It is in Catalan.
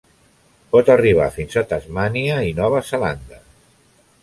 Pot arribar fins a Tasmània i Nova Zelanda.